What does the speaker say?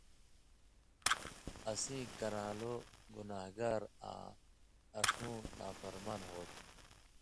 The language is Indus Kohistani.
اسیں کران٘لو گنان٘گار آں اݜُوں (نافرمان) ہو تُھو۔